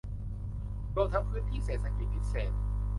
รวมทั้งพื้นที่เศรษฐกิจพิเศษ